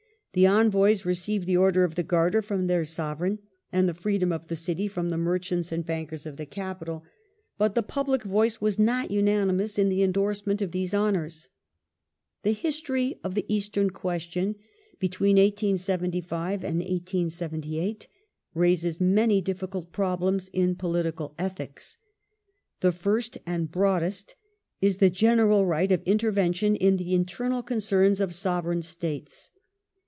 The envoys received the Order of the Garter from their Sovereign and the Freedom of the City from the merchants and bankers of the capital. But the public voice was not unanimous in the endorsement of these honours. The history of the Eastern question between 1875 and 1878 raises many difficult problems in political ethics. The first and broadest is the general right of intervention in the internal concerns of Sovereign States.